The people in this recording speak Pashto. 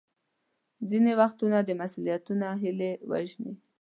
ځینې وختونه مسوولیتونه هیلې وژني.